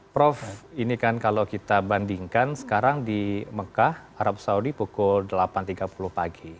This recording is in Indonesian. prof ini kan kalau kita bandingkan sekarang di mekah arab saudi pukul delapan tiga puluh pagi